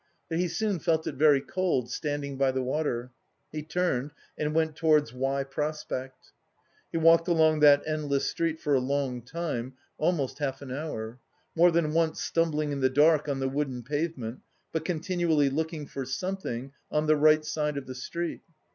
But he soon felt it very cold, standing by the water; he turned and went towards Y. Prospect. He walked along that endless street for a long time, almost half an hour, more than once stumbling in the dark on the wooden pavement, but continually looking for something on the right side of the street.